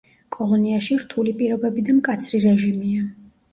კოლონიაში რთული პირობები და მკაცრი რეჟიმია.